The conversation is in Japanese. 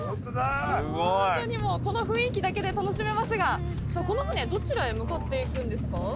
この雰囲気だけで楽しめますがこの船どちらへ向かっていくんですか？